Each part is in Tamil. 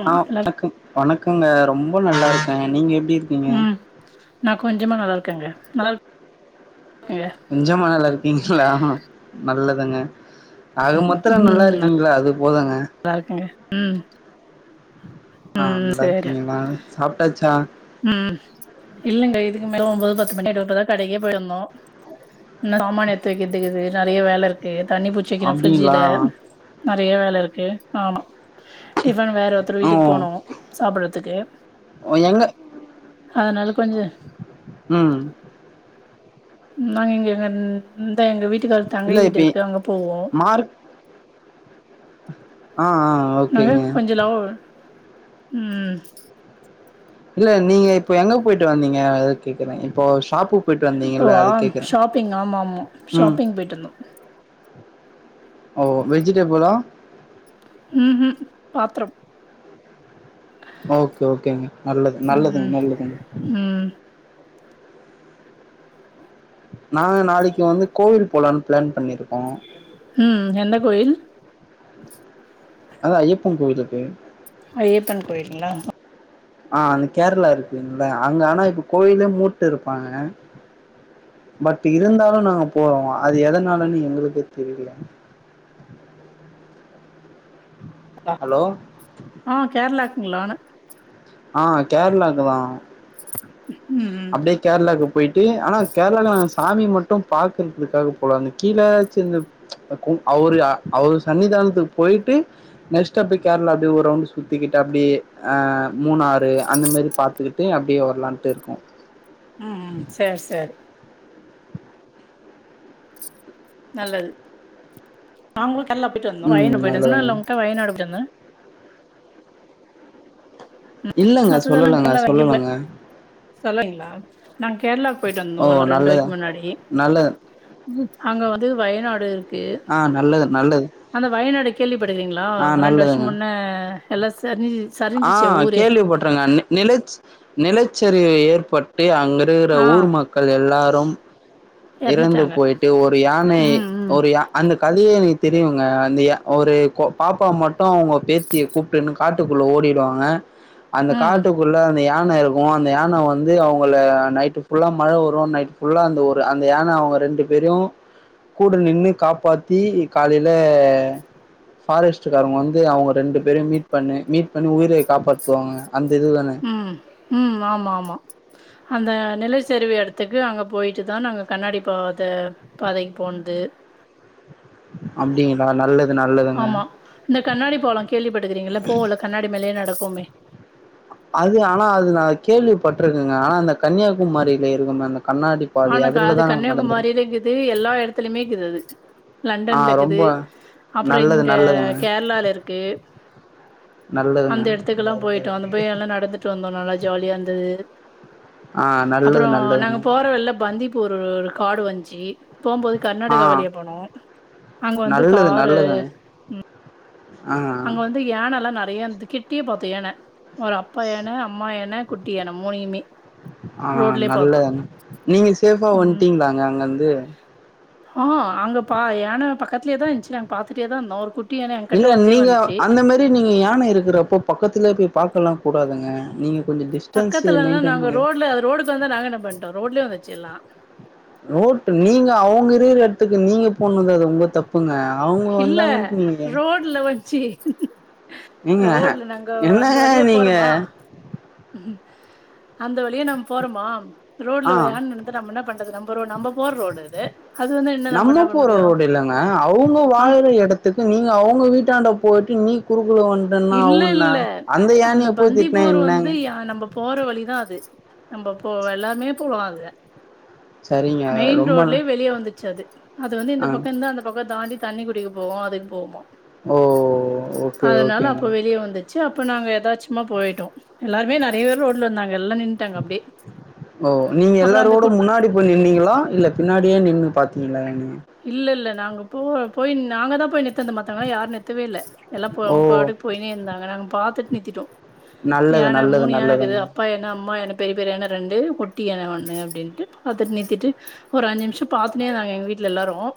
ம் ஆஹ் நல்லா வணக்கம் வணக்கங்க ரொம் நல்லா இருக்கேன் நீங்க எப்டி இருக்கீங்க நான் கொஞ்சமா நல்லா இருக்கேங்க நல்லா இருக்கேங்க கொஞ்சமா நல்லா இருக்கீங்களா நல்லதுங்க ஆக மொத்தல நல்லா ம் இருக்கீங்களா அது போதுங்க நல்லா இருக்குங்க உம் ஆஹ் நல்லா இருக்கீங்களா சாப்பிட்டாச்சா உம் இல்லங்க இதுக்கு மேல ஒன்பது பத்து மணி ஆயிடும் இப்பதான் கடைக்கே போயிருந்தோம் நான் சமான எடுத்து வைக்கித்துக்கிது நிறைய வேலை இருக்கு தண்ணி பூச்சிக்வைகணும் அப்டிங்களா பிரிட்ஜில நிறைய வேலை இருக்கு ஆமா டிபன் வேற ஒருத்தர் வீட்டுக்கு ம் போனோம் சாப்பிடறதுக்கு ஆனால உம் நாங்க இங்கங்க [unintelligible] த எங்க வீட்டுகாரர் தங்கை இல்ல இப்ப வீடுயிருக்கு அங்க போவோம் மார்க் ஆஹ் ஆஹ் ஓகேங்க உம் இல்ல நீங்க இப்போ எங்க போயிட்டு வந்திங்க அதா கேக்கறிங்க இப்போ ஷாப்பு இப்போவா ஷாப்பிங்ஆமா ஆமா ம் ஷாப்பிங் போயிடுவந்தோம் ஓ வெஜிடேபிளா உம் உம் பாத்ரம் ஓகே ஓகேங்க நல்லது நல்லதுங்க ம் நல்லதுங்க ம் [inaudible] நாங்க நாளைக்கு வந்து கோவில் போலானு பிளான் பன்னிரு உம் அதா ஐயப்பன் கோயிலுக்கு ஐயப்பன் கோயிலுங்களா ஆஅந்த கேரளாயிருக்குகலா அங்க ஆனா இப்போகோயிலே மூட்டு இருபாங்கே பட்யிருந்தலும் நாங்க போறோஅது எதனாலனு எங்களுகே தெரியல ஹலோ ஆ கேரளாக ல்லான ஆ கேரளாகு தா ம் ம் அப்டியே கேரளாவுகு போயிடு ஆனா கேரளாளையும் நாங்க சாமி மட்டும் பாகறதுகாக போகலா அந்த ப்ச் கீல ப்ச் அந்த அவுரு அவர் சன்னிதானத்துகு போயிடு நெக்ஸ்டே அப்டியே கேரளா அப்டியே ஒரு ரவுண்டு சுத்திகிடு அப்டியே ஆ மூணாறு அந்த மாரி பாத்துகிட்டு அப்டியே ஓ லாம்ட்டுே ச [inaudible] ம்ம் செரி செரி நலது நாங் நல்லா போயட்டுந்த ம் வயனு அவ்ளோதாங்க போயட்டுந்தா உங்காயாடுந்தன் இலங்க சொல்லங்க சொல்லங்க சொல்லங்களா நாங்க கேரளா கு போயிட்டு ஓ! வந்தோம் ஒரு நல்லதா ரெண்டுனலக்கு முன்னாடி நல்லது. ம் அங்க வந்து வயநாடு ஆ நல்லது நல்லது படிறீங்களா ஆ ரெண்டு வருஷம் நல்லதுங்க. முன்னே எல்ஸ் சரி நீ சரிஞ் கேள்விப்பட்டறங்க நிலச் நிலச செரி ஏற்பாட் அங்க இருக்குற ஆ ஊர் மக்கள் எல்லாரும் ம் இறந்து எறந்துட்டாங்க போயிட்டு ஒரு யானை ம் ம் ஒருய அந்த கதய எனக்கு தெரியுங்க அந்த ஏ ஒரு கோ பாப்பா மட்டும் அவங்க பேத்திய கூப்பட்டுன்னு காட்டுக்குள்ளே ஓடிடுவாங்க அந்த ம் காட்டுக்குள்ள யான இருக்கும் அந்த யான வந்து அவங்க நைட் புல்லா மழ வரும் நைட் புல்லா அ ஒரு அந்த யான அவங்க ரெண்டு பேரும்யும் கூட நின்று காப்பாத்தி காலையில பாரஸ்டாரங்க வந்துங்கண்டு பே மீட் பண்ண மீ்ண்ண உயிர காப்பாத்துவாங்க அந்த இதுதானே ம் ம் ஆமா ஆமா அந்த நிலச்சரிவு இடத்துக்கு அங்கே போயிட்டு தான் அங்க கண்ணாடி பாத பாதைக்கு போனது அப்டிங்களா நல்லது நல்லதுங்க ஆமா இந்த கண்ணாடி போலாம் கேள்விப்பட்டுக்கிறீங்கள போ உள்ள கண்ணாடி மேலே நட இருக்கோமே அது ஆனா அது நா கேள்விப்பட்டுருக்குங்க ஆனா அந்த கன்னியாகுமாரில இருக்கு அந்த கண்ணாடி பாதை ஆனக்கா அது அதுலதா நாங்க நடந்திருக்கோ கன்னியாகுமாரில இருக்குது எல்லாம் எடுத் துலமேக்குறது ஆ லண்டன்ல ரொம்ப இரக்குது அப்பறம் நல்லது இங்க நல்லதுங்க கேரளலா இருக்கு நல்லதுங்க அந்த இடத்துக்கு எல்லாம் போயிட்டோம் அந்த போய எல்லாம் நடந்துட்டு வந்தோம் நல்லா ஜாலியா இருந்தது ஆஹ் நல்லது நல்லதுங்க வந்திப் ஒரு காடு வந்ச்சு போம்போது ஆ கர்நாடகா வழியா போனே அங்க வந்து நல்லது காரு நல்லதுங்க உம் ஆ அங்க வந்து யானல்லாம் ந ய இந்து கிட்டிய பாத்தே யான ஒரு அப்பா யான அம்மா யான குட்டியான மூனையுமே ஆஹ் நல்ல நீங்க சேஃபா வன்ட்டீங்களாங் அங்கிருந்து ஆஹ் அங்க பா யான பக்கத்திலயே தான் இருந்துச்சு நாங்க பாத்துட்டே தான் இருந்தோ ஒரு குட் இல்ல நீங்க அந்த மாரி நீங்க யான இருக்குற அப்ப பக்கத்துல போய் பாக்கலாம் கூடாதுங்க நீங்க கொஞ்சோ டிஸ்டன்ஸ் பக்கத்துல மெயின்டென் நாங்க பண்ணி ரோடுல அது ரோடுக்கு வந்தா நாங்க என்ன பண்றது ரோட்லயும் வச்சிருலாம் நோட்டு நீங்க அவங்க இருகிற இடத்துக்கு நீங்க போனும்னது அது உங்க தப்புங்க அவங்க இல்ல வந்தாங்கன்ட்டு நீங்க ரோட்ல வச்சு ஏங்க ரோட்ல நாங்க அந்த என்னங்க வழியே நீங்க போறமா அந்த வழியா நாம போறோமா ஆ ரோட்ல [unintelligible] நம்ம என்ன பண்றது நம்ம ரோடு நம்ம போற ரோடு இது அது வந்து என்ன நம்ம என்ன போற பண்ணடியும் ரோடு இல்லங்க அவங்க ஆஹ் [unintelligible] ண்ட போயிட்டு நீ குறு இல்ல இல்ல அந்த யானைய போய் பந்தி திட்னா போர் வந்து என்னங்க நம்ம போற வழிதான் அது நம்ம போ எல்லாமே போவாள்கா சரிங்க மெயின் ரொம்ப ந ரோட்லயே வெளிய வந்துச்சு அது அது வந்து இந்த ஆ பக்கம் இருந்து அந்த பக்கம் தாண்டி தண்ணி குடிக்கு போவம் அதுக்கு போவோம் ஓஓ ஓகே ஓகேங்க ப்ப வெளிய வந்துட் சே அப்ப நாங்க ஏதாச்சுமா போயிட்டோம் எல்லாருமே நெறயபேர் ரோட்ல இருந்தாங்க எல்லா நின்ட்டாங்க அப்டியே ஓ நீங்க அப்றோ அந்த எல்லாரோட குட் முன்னாடி போய் நின்னீங்களா இல்ல பின்னாடியே நின்று பாத் [unintelligible] இல்லல்ல நாங்க போ போய் நாங்க தான் போய் நித்துந்து மத்தாவங்க யாரும் நிறுத்துவே இல்ல எல்லாம் போ ஓ அவுங்க பாட்டுக்கு போயினே இருந்தாங்க நாங்க பாத்துட்டு நீதிட்டோம் நல்லது யானை நல்லது மூணு யானை இருக்குது நல்லதுங்க அப்பா என்னா அம்மா எனக் பெரிய பெரியாண ரெண்டு குட்டி யானை ஒன்னு அப்படின்ட்டு அதோட நித்திட்டு ஒரு அஞ்சு நிமிஷம் பா்த்தனேதாங்க எங்க வீட் ல எல்லாரும்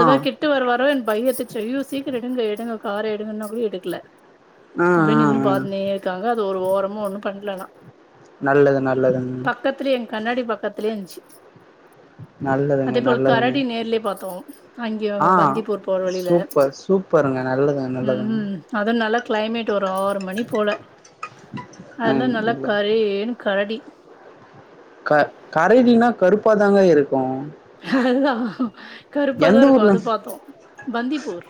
ஆ கிட்டு வருவாரோ என் பயமேடுத்துச்சு சீக்கிர எடுங்க எடு எடுங்க கார எடுங்கன்னா கூட எடுக்கல ஆ ஆ அப்படின்னு நின்னு ஆ பாத்னே இருக்காங்க அது ஒரு ஓரமா ஒண்ணு பண்லனா நல்லது நல்லது பக்கத்துலயே என் கண்ணாடி பக்கத்துலயே இருந்துச்சு நல்லதுங்க நல்லதுங்க நேர்லே பாத்தோ ஹ இங்க ஆ பந்தீபூர் போற வழில சூப்பர் சூப்பருங்க நல்லதுங்க உம் நல்லதுங்க உம் அது நல்லா கிளைமேட் ஒரு ஆறு மணி போல அதுல ம் நல்லக் இல்ல கரேன் கரடி க கரடினா கருப்பாதாங்க இரு கும் அதுதா எந்த கருப்பாதா இருக்கு ஊர்ல அது பாத்தோ பந்திப்பூர்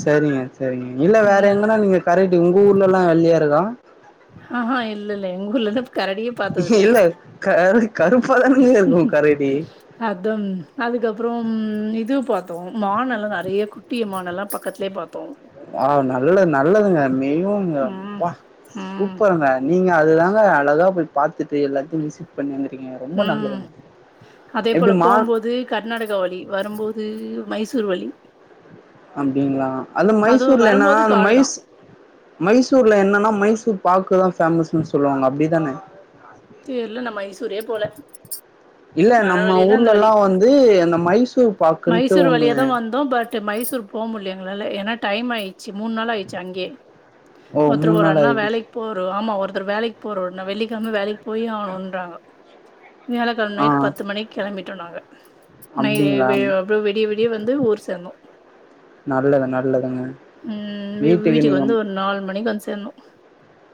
சேரிங்க சேரிங்க இல்ல வேற ம் எங்கனா நீங்க கர உங்க ஊர்லலா வெள்ளயாருக ஆஹ்ஹ இல்லல்ல எங்கூர்ல இல்ல கரு கருப்பாதானுங்கே இருக்கு கரடி டம் அதுக்கப்பறம் இது பாத்தோ மானல்லா நிறைய குட்டிய மானல்லா பக்கத்லே பாத்தோ ஆஹ் நல்ல நல்லதுங்க மியூங்க ம் ப்பா ம் சூப்பர்ங்க நீங்க அதுதாங்க அழகா போய் பாத்து உம் நல்லதுங்க அதே எப்டி போல மால் போம்போது கர்நாடக வழி வரும்போது மைசூர் வழி அப்டிங்ளா அது அதுவும் மைசூர்ல என்னா வரும்போது அந்த மைஸ் காடுதான் மைசூர்ல என்னன்னா மைசூர் பாக்குதா பேமஸ்னு சொல்வாங்க அப்டிதானே தேர்ல நான் மைசூரே போல இல்ல வர நம்ம வழியில அந்த வழி ஊர்லலா வந்து அந்த மைசூர் பாக்குன்ட்டு மைசூர் ஒன்னு எங்கள ஏனா டைம் ஆய்ச்சு மூணு நாளாச்சு அங்கே ஓ ஒத்தர் மூணு ஒரு நாள் அண்ணா ஆயிடுச்சு வேலைக்கு போரோ ஆமா ஒரு வேலைக்கு போறேன்னா வெள்ளிக்கிழமை வேலைக்கு பொய் ஆகணுன்றாங்க வியாழக்கிழமை ஆ நைட் பத்து மணிக்கு கிளம்பி டுனாக நை அப்டிங்களா வே விடிய விடிய வந்து ஊர் சேர்ந்தோம் நல்லது நல்லதுங்க உம் வீட்டுக்கு வந்து ஒரு நால் மணி வந்து சேர்ந்தோம்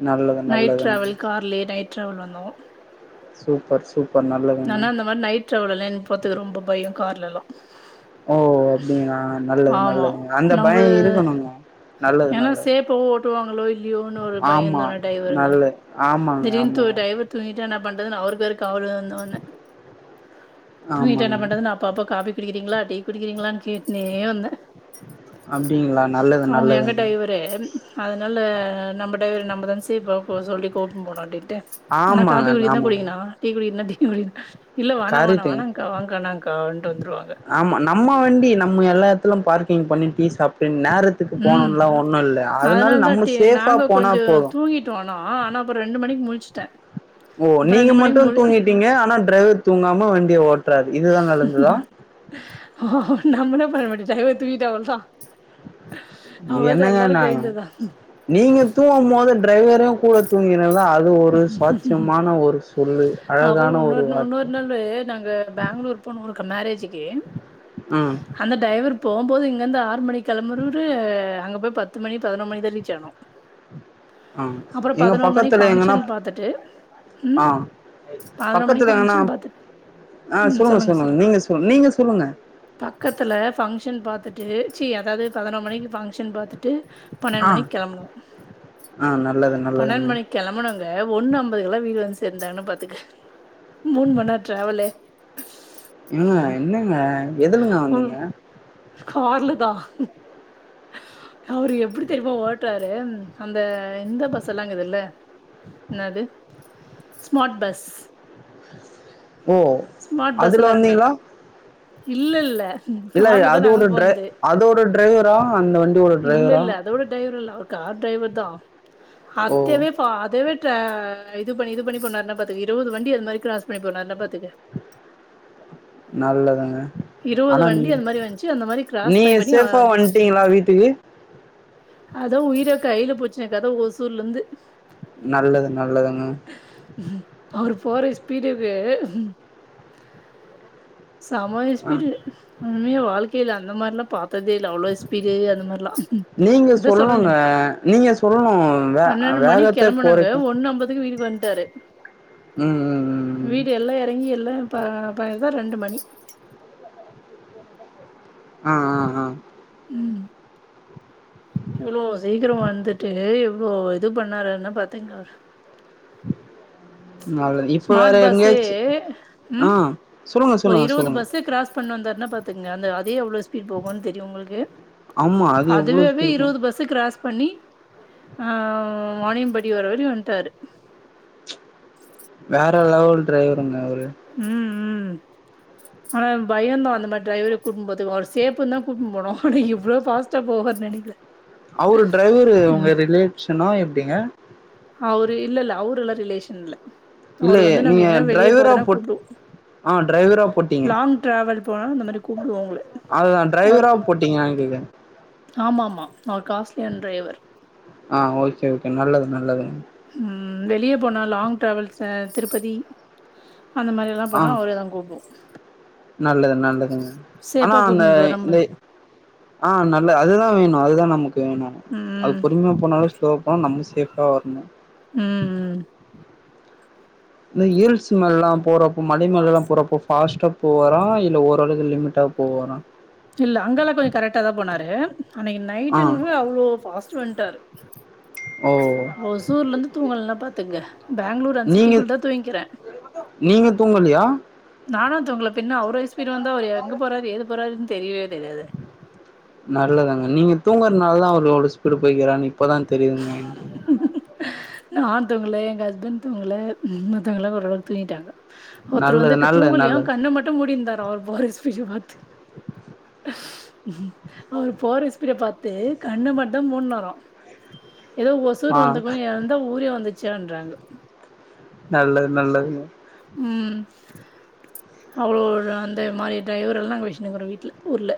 நல்லது நல்லதுங்க டிராவல் வந்தோம் சூப் நனா அந்த மாரி நைட் டிரவல் எல்லா எனக்கு போறதுக்கு ரொம்ப பயம் கார்லலாம் ஓ அப்டிங்ளா நல்லது ஆமா நல்லது அந்த நம்ப பயம் இருக்கணுங்க நல்லது ஏன்னா நல்லது சேஃபாவு ஓட்டுவாங்களோ இல்லையோன்னு ஒரு ஆமா பயந்தான டிரைவருங்க நல்ல ஆமாங்க திடீர்னு ஆமாங்க என்ன பண்றது அவருபேரு தவரு வந்தோன தூங்கிட்ட என்ன ஆமாங்க பண்றது அப்பப்ப காபி குடிக்கிறீங்களா டீ குடிக்கிறீங்களானு கேட்னே வந்தேன் அப்டிங்ளா நல்லது நல்லதுங்க நல்ல நம்ம டைவர் நம்ம தான் சேபா இப்போ சொல்லி கூப்பிட போனோம் அப்டின்னு ஆனா காபி ஆமாங்க குடிறதுனா ஆமாங்க குடிங்கன்ணா [unintelligible] இல்ல வேணா வேணா கரெக்ட்டுங்க வேணாங்க்கா வேணாங்க்கா அப்டின்ட்டு வந்துருவாங்க ஃபுல்லும் பார்கிங் பண்ணி டீ சாப்பிட்டு உம் அதனால தான் நம்ம சேஃபா நாங்க போனா கொஞ்சம் போது தூங்கிட்டு வந்தோம் ஆனா அப்புறம் ரெண்டு மணிக்கு முழிச் டன் ஓ நீங்க மட்டும் தூங்கிட்டீங்க ஆனா டிரைவர் தூங்காம வண்டிய ஓட் ஆஹ் நம்மள போல பட் டிரைவர் தூங்கிட்டா அவ்வளவுதான் இது என்னங்க நியாயம் நீங்க தூங்கும் போது டிரைவரும் கூட தூங்கி சொல்லு அப்றோ அழகான ஒரு இன்னொரு வார்த்தை இன்னொரு நாளு நாங்க பெங்களூர் போனக் மேரேஜக்கு ம் அந்த டிரைவர் போகும்போது இங்கிருந்து ஆறு மணி கிளம்பினவரு அங்க போய் பத்து மணி பதினோ மணி ரீச் ஆனோம் ஆஹ் அப்புறோ எங்க பதினோரு பக்கத்து மணிக்கு ஃபங்க்ஷன் பாத்துட்டு பதின மணிக்கு பக்கத்துல எங்கன்னா பங்க்சன் பாத்துட்டு ஆ சொல்லுங்க சொல்லு நீங்க சொல் நீங்க சொல்லுங்க பக்கத்தில ஃபங்க்ஷன் பாத்துட்டு ச அதாவது பதின மணிக்கு பங்க்சன்பாத்துட் பன்னெண்டு ஆ மணி கிளம்பனும் ஆ நல்லது பன்னெண்டு நல்லதுங்க மணிக்கு கெளம்பனுங்க ஒன்னு அம்பது கல [unintelligible] வந்து சேர்ந்தாங்கன்னு பாத்துக்க மூணு மணி நேரடிராவல்லு [inaudible] [unintelligible] என்னங்க எதுலங்க வந்தீங்க ம் கார்ல தான் அவரு எப்டி தெரியுமா ஓட்டுறாரு அந்த ஆ இந்த பசெலாம் இங்குதில்ல என்னது ஸ்மாட் பஸ் ஓ ஸ்மார்ட் பஸ் அதுல எல்லா இருக்குமே வந்தீங்களா இல்ல இல்ல இல்ல கார்ல தான் நாங்க அதோட ட போனது அதோட டிரைவரா அந்த வண்டியோட இல்ல டிரைவரா இல்ல அதோட டிரைவர் இல்ல அவர் கார் டைவர் தான் ஓ அத்தவே பா அதுவே இத பண்ணி இது பண்ணி போனாருன்னா பாத்துங்க இருபது வண்டி அது மாரி கிராஸ் பண்ணி போனாருனா பாத்துக்க நல்லதுங்க இருபது ஆனா வண்டி அந்த மாரி வந்துச்சு அந்த மாரி கிராஸ் பண்ணி நீங் பண்ணி அவன் சேஃபா வந்துட்டீங்களா வீட்டுக்கு அதான் உயிர கையில புடுச்சுனக்க அதான் ஒசூர்ல இருந்து நல்லது நல்லதுங்க உம் அவரு போற ஸ்பீடுக்கு [inaudible] ஆ செமயஸ்பீடு உண்மைய வாழ்க் இல்ல அந்த மாரில்லாம் பாக் [unintelligible] அவ்ளோ ஸ்பீடு அந்த நீங்க மாரிஅதா சொல்றனே சொல்லணுங்க நீங்க சொல்லணும் வே பன்னெண்டு மணி வேகத்தை கெளம்புனங்க குறைக்கும் ஒன்னு அம்பதுக்கு வீட்டு வந்துட்டங்க விட்டரு ம் ம் ம் ம் வீடு எல்லாம் இறங்கி எல்லா ப பதான் ரெண்டு மணி ஆஹ் ஆஹ் ஆஹ் எவ்ளோ சீக்கிரம் வந்துட்டு எவ்ளோ இது பண்ணாருன்னா பாத்தீங்க அவரு [inaudible] இப்ப வேற ஸ்மார்ட் பஸ்ஸே எங்கேயாச்சு ம் ஆஹ் சொல்லுங்க ஒரு சொல்லுங்க இருவது சொல்லுங்க பஸ்ஸு கிராஸ் பண்ண வந்தருன்னா பாத்துங்க அந்த அதே எவ்வளவு ஸ்பீட் போகும்னு தெரியு உங்களுக்கு. ஆமா அது எவ்வளோ அதுவாவே ஸ்பீடுக்கும் இருவது பஸ் கிராஸ். பண்ணி ஆஹ வானையம்பாடி வரயு வன்ட்டாரு. வேற லெவல் டிரைவருங்க அவரு. உம். உம் ஆனா பயோந்தா அந்த மாரி டிரைவரு கூட்ன்னு போறதுக்கு அவ சேப்புன்தா கூட்டிட்டு போனோ அப்டிங்கு ஆனா இவ்வளோ பஸ்டா போவார்ன்னு நெனைக்கல. அவரு டிரைவரு உங்க ம் ரிலேஷனா எப்படிங்க. அவரு இல்ல இல்ல அவரெல்லா ரிலேஷன் இல்ல. இல்ல அவரு வந்து நாங்க நீங்க எங்கனா வெளிய டிரைவரா போதுன்னா போட் கூப்டு ஆ டிரைவரா போட்டீங்க. லாங் டிராவல் போனா இந்த மாரி கூப்டுவோ உங்கள அததா அவரு டிரைவரா போட்டீங்க. [unintelligible] ஆமா ஆமா. அவர் காஸ்ட்லியான டிரைவர் ஆஹ ஓகே ஓகே நல்லது நல்லது. ம் வெளிய போனா லாங் டிராவல் சார். திருப்பதி. அந்த மாதிரி எல்லா ஆ போனா அவரேதா கூப்டுவோ. நல்லது நல்லதுங்க ஆனா சேஃபா அந்த கூப்டுனு வந்துருவாரு நம்ப இந்த ஆஹ நல்ல அதுதா வேணு அதுதா நம்ம. வேணு அது ம் பொறுமையா போனாலு ஸ்லோ. அப்புறோ நம்ம சேப்பா வரணு. உம்ம். இந்த ஹில்ஸ் மேல எல்லா போறப்போ மலை மேல எல்லா போறப்போ பாஸ்ட்டா போவாராமன இல்ல ஓரளவுக்கு லிமிட்டா போவாரா. இல்ல அங்கால கொஞ்சோ கரெக்ட்டாதா போனாரு. அன்னைக்கு ஆ நைட்டு என்னமோ அவ்ளோ பாஸ்ட். டு வண்டாரு. ஓ ஒசூர்ல இருந்து தூங்கலனா பாத். த்துங்க. நீங்க நீங்க தூங்கல்லையா. நாலா தூங்கலா பின்ன அவரேஸ். பிரு வந்து அவர் எங்க போறரு ஏது. போராருன்னு. தெரியவேல். நல்லதுதாங்க நீங்க தூங்க. நாலதா அவரு அவ்வளோ ஸ்பீடா போய்ருக்காரு அன்னிக்கு. இப்பதா தெரியுதுங்க எனக்கு. நா தூங்கள எங்க ஹஸ்பண்ட் தூங்கள மத்தவங்கலா ஒரளவுக்கு தூங்கிட்டாங்க. ஒருத்தரு நல்லது வந்து நல்லது தூங்கலியா நல்லது கண்ணு மட்டு மூடிருந்தாரா அவர் போர ஸ்பீட பாத்து. அவர் போற ஸ்பீட பாத்து கண்ண மட்டும் மூடுனாறாம் ஏதோ ஒசூர் ஆ வந்தக்கன்னு இருந்தா ஊரே வந்துச்சு [unintelligible] பண்றாங்க நல்லது நல்லது ம் அவ்ளோ அந்த மாதிரி டிரைவரெல்லாம் வச்சிண்டு இருக்கோம் வீட்ல ஊரில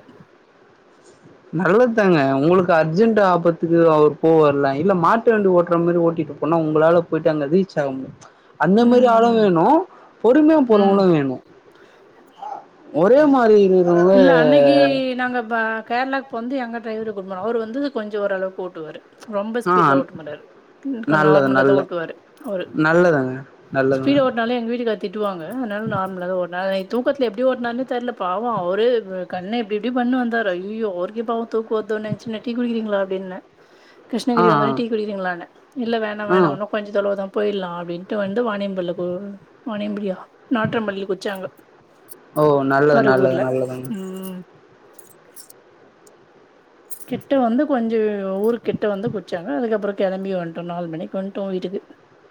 நல்லதாங்க உங்களுக்கு அர்ஜென்ட் ஆபத்துக்கு அவர் போவரலாம் இல்ல மாட்டு வண்டி ஓட்டுற மாதிரி ஓட்டிட்டு போனா உங்களால போயிட்டு அங்க ரீச் ஆக முடியுமா அந்த மாரி ஆளும் ம் வேணும் பொறுமையா ம் போறவங்களும் வேணும் ஒரே மாரி இருக்குறவங்க கேரளவுக்கு வந்து எங்க டிரைவரை கூட்டிபோனாம் அவரு வந்து கொஞ்சம்ஓரளவு கூட்டுவரு ரொம்ப ஆ ஸ்பீட்ல ஓட்டமாட்டரு நல்லது நார்மலதான் நல்ல ஓட்டுவாரு அவர் நல்லதுங்க ஸ்பீட நல்லதுங்க ஓட்டனாலே எங்க வீட்டுக்காரரு திட்டுவாங்க அதனால நார்மலாக ஒரு நள் தூக்கத்துல எப்டி ஓட்டினாரே தெரியலைபாவம் அவரு கண்ணை இப்டி இப்டி பண்ணு வந்தாரு ஐயோ அவருக்கே பாவம் தூக்கம் வந்த உடனே டீ குடிக்கிறீங்களா அப்டின்னு ஆ கிருஷ்ணிரி வந்ததும் டீ குடிக்கிறீங்களான்னு இல்ல வேணாம் ஆ ஆ வேணாம் ஒன்னும் கொஞ்ச தொலவு தானு போயிடலாம் அப்படின்ட்டு வந்து வாணியம்படி வானியம்படியா நாற்றம்பள்ளி குடிச்சாங்க ஓ நல்லது நல்லது நல்லதுங்க ப கிட்ட வந்து கொஞ்சம் ஊரு கிட்ட வந்து குடிச்சாங்க அதுக்கப்புறம் கிளம்பி வந்துட்டோம் நாலு மணிக்கு வந்துட்டோம் வீட்டுக்கு